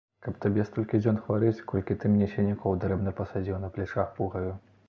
Каб табе столькі дзён хварэць, колькі ты мне сінякоў дарэмна пасадзіў на плячах пугаю!